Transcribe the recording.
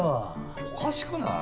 おかしくない？